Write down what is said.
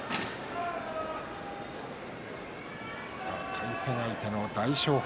対戦相手の大翔鵬